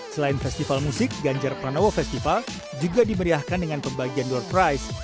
selain festival musik ganjar pranowo festival juga dimeriahkan dengan pembagian door price